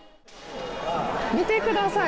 見てください。